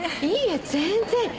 いいえ全然！